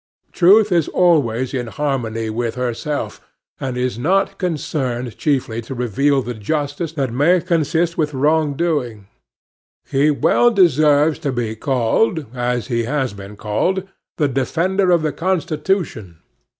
Truth is always in harmony with herself, and is not concerned chiefly to reveal the justice that may consist with wrong doing. He well deserves to be called, as he has been called, the Defender of the Constitution.